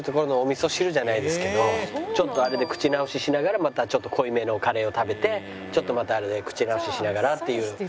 ちょっとあれで口直ししながらまたちょっと濃いめのカレーを食べてちょっとまたあれで口直ししながらっていう。